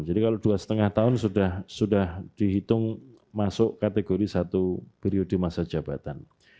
jadi kalau dua setengah tahun sudah dihitung masuk kategori satu periode masa jabatan